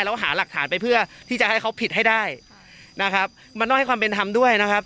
แล้วหาหลักฐานไปเพื่อที่จะให้เขาผิดให้ได้นะครับมันต้องให้ความเป็นธรรมด้วยนะครับ